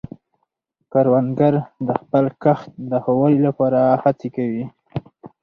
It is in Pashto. کروندګر د خپل کښت د ښه والي لپاره هڅې کوي